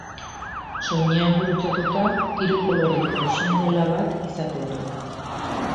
Soinean gurutzatuta hiru-koloreko xingola bat izaten du.